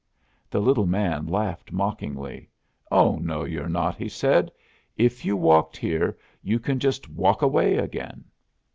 The little man laughed mockingly. "Oh, no you're not," he said. "If you walked here, you can just walk away again!"